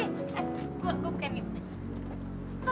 eh gue gue bukan gitu aja